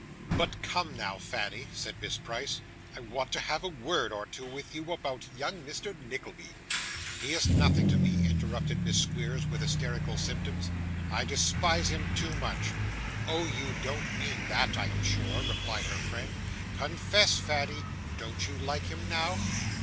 'But come now, Fanny,' said Miss Price, 'I want to have a word or two with you about young Mr. Nickleby.' 'He is nothing to me,' interrupted Miss Squeers, with hysterical symptoms. 'I despise him too much!' 'Oh, you don't mean that, I am sure?' replied her friend. 'Confess, Fanny; don't you like him now?